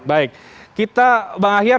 baik kita bang ahyar